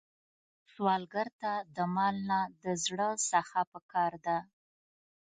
سوالګر ته د مال نه، د زړه سخا پکار ده